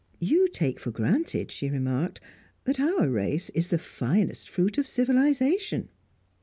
"You take for granted," she remarked, "that our race is the finest fruit of civilisation."